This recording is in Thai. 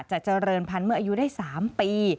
เจริญพันธุ์เมื่ออายุได้๓ปี